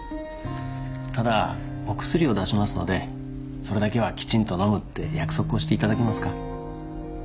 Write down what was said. ただお薬を出しますのでそれだけはきちんと飲むって約束をしていただけますか？